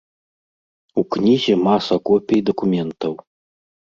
У кнізе маса копій дакументаў.